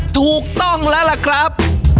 ถูกต้องแล้วล่ะครับ